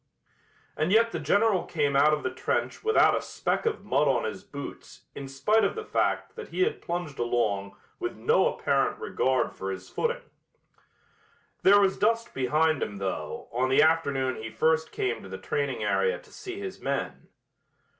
And yet the general came out of the trench without a speck of mud on his boots in spite of the fact that he had plunged along with no apparent regard for his footing. There was dust behind him, though, on the afternoon he first came to the training area to see his men.